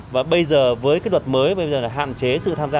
và bây giờ với cái luật mới bây giờ là hạn chế sự tham gia